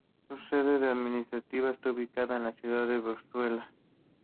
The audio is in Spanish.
Su sede administrativa está ubicada en la ciudad de Bruselas.